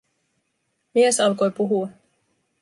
Mies alkoi puhua: